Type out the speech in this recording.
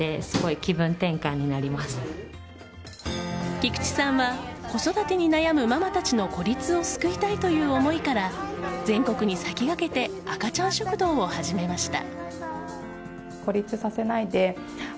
菊地さんは子育てに悩むママたちの孤立を救いたいという思いから全国に先駆けて赤ちゃん食堂を始めました。